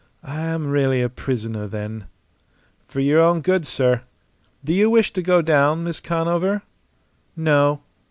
"I am really a prisoner, then?" "For your own good, sir. Do you wish to go down, Miss Conover?" "No."